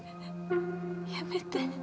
やめて。